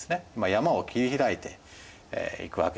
山を切り開いていくわけですね。